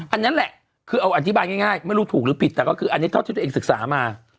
อันนั้นแหละคือเอาอธิบายง่ายไม่รู้ถูกหรือผิดแต่ก็คืออันนี้เท่าที่ตัวเองศึกษามา